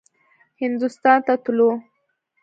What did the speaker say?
هندوستان ته تلو.